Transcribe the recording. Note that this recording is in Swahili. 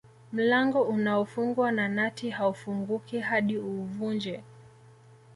Mlango unaofungwa na nati haufunguki hadi uuvunje